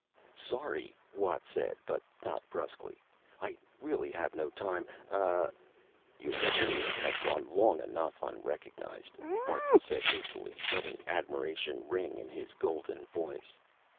"Sorry," Watt said, but not, bruskly. "I really have no time ah " "Your genius has gone long enough unrecognized," Martin said hastily, letting admiration ring in his golden voice.